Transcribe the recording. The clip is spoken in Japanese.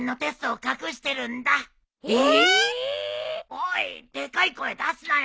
おいでかい声出すなよ！